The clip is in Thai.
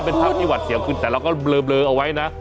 เป็นภาพที่หวัดเสียวขึ้นแต่เราก็เบลอเอาไว้นะ